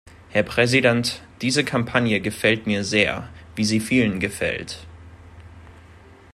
Herr Präsident, diese Kampagne gefällt mir sehr, wie sie vielen gefällt.